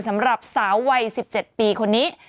สำหรับสาววัย๑๗ปีคนนี้